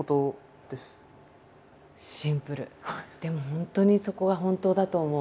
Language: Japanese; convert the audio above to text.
でも本当にそこは本当だと思う。